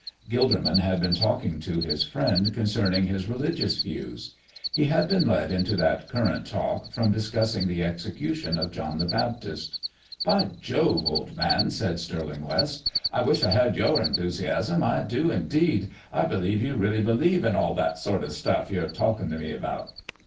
Gilderman had been talking to his friend concerning his religious views. He had been led into that current of talk from discussing the execution of John the Baptist. "By Jove! old man," said Stirling West, "I wish I had your enthusiasm I do, indeed. I believe you really believe in all that sort of stuff you're talking to me about."